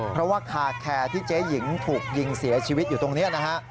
เพราะว่าคาแคร์ที่เจ๊หญิงถูกยิงเสียชีวิตอยู่ตรงนี้นะฮะ